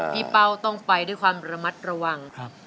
เป้าต้องไปด้วยความระมัดระวัง